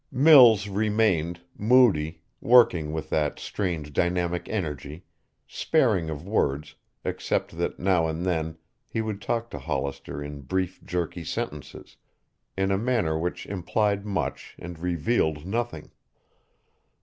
Mills remained, moody, working with that strange dynamic energy, sparing of words except that now and then he would talk to Hollister in brief jerky sentences, in a manner which implied much and revealed nothing.